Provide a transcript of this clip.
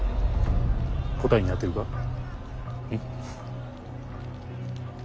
答えになってるか。